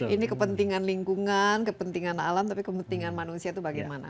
ini kepentingan lingkungan kepentingan alam tapi kepentingan manusia itu bagaimana